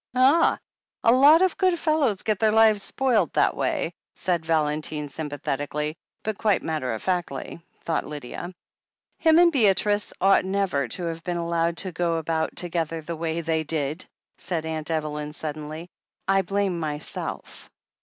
"Ah, a lot of good fellows get their lives spoilt that way," said Valentine s)mipathetically — ^but quite matter of factly, thought Lydia. "Him and Beatrice ought never to have been allowed to go about together the way they did," said Aunt Evelyn suddenly. "I blame myself."